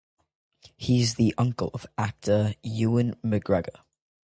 He is the uncle of actor Ewan McGregor.